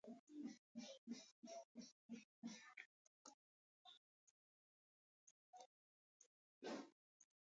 د تیورال مشرانو په ځواب کې ویل چې اساسي قانون ونه لرو.